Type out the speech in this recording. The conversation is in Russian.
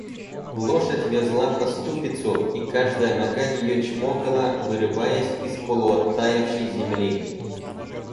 Лошадь вязла по ступицу, и каждая нога ее чмокала, вырываясь из полуоттаявшей земли.